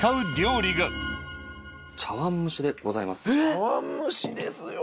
茶碗蒸しですよ